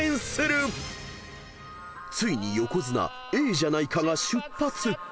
［ついに横綱ええじゃないかが出発］